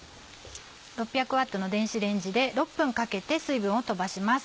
６００Ｗの電子レンジで６分かけて水分を飛ばします。